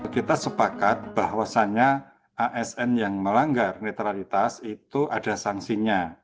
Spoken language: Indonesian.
kita sepakat bahwasannya asn yang melanggar netralitas itu ada sanksinya